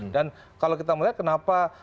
dan kalau kita melihat kenapa